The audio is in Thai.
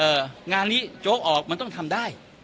งานนี้โจ๊กออกมันต้องทำได้